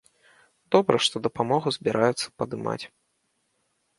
Добра што дапамогу збіраюцца падымаць.